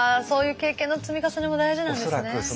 そういう経験の積み重ねも大事なんですね。